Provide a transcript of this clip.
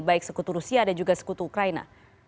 baik sekutu rusia dan juga sekutu ukraina